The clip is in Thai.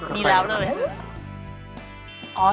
มีแล้วเลย